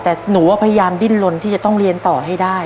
แต่หนูพยายามดิ้นลนที่จะต้องเรียนต่อให้ได้